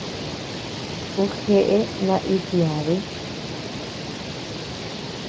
Ú jeʼe naíd-yádi.